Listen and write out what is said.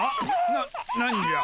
な何じゃ？